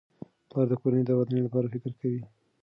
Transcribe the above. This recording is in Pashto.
پلار د کورنۍ د ودانۍ لپاره فکر کوي.